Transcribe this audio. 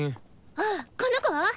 ああこの子？